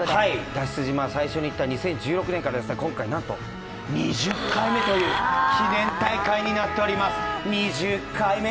脱出島最初にいった２０１６年から今回２０回目の記念大会となっております。